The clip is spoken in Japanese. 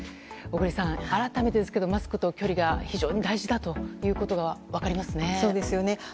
小栗さん、改めてですがマスクと距離が非常に大事だということが分かりますね。